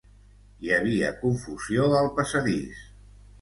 Hi havia confusió al passadís.